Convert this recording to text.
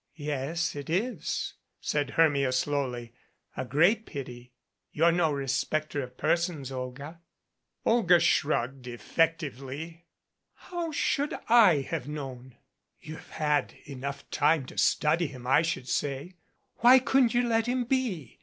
"Yes, it is," said Hermia slowly, "a great pity you're no respecter of persons, Olga." Olga shrugged effectively. "How should 7 have known?" "You have had time enough to study him, I should say. Why couldn't you let him be?